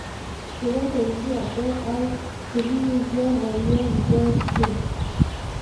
ډېری تاریخي ابدات او څلي یې زیان او یا ویجاړ شوي.